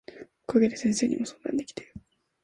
お陰で先生にも相談できたよ。